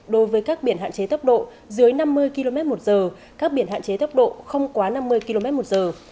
đối với các biển hạn chế tốc độ dưới năm mươi km một giờ các biển hạn chế tốc độ không quá năm mươi km một giờ